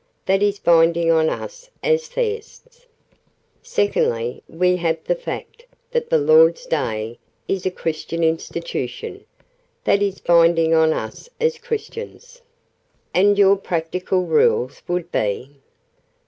That is binding on us as Theists. Secondly, we have the fact that 'the Lord's Day' is a Christian institution. That is binding on us as Christians." "And your practical rules would be